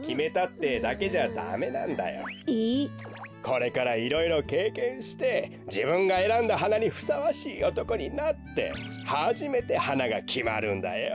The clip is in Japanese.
これからいろいろけいけんしてじぶんがえらんだはなにふさわしいおとこになってはじめてはながきまるんだよ。